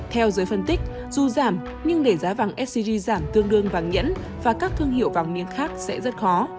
theo giới phân tích dù giảm nhưng để giá vàng sgc giảm tương đương vàng nhẫn và các thương hiệu vàng miếng khác sẽ rất khó